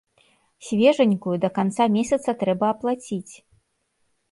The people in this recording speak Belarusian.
Свежанькую, да канца месяца трэба аплаціць.